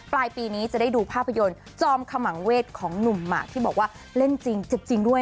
ปลายปีนี้จะได้ดูภาพยนตร์จอมขมังเวทของหนุ่มหมากที่บอกว่าเล่นจริงเจ็บจริงด้วย